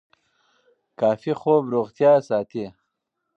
کافي خوب روغتیا ساتي.